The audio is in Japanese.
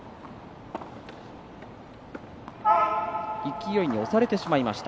勢いに押されてしまいました。